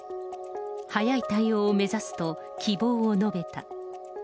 早い対応を目指すと希望を述べた。